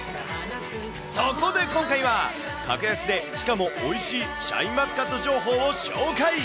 そこで今回は、格安でしかもおいしいシャインマスカット情報を紹介。